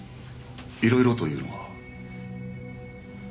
いろいろというのは？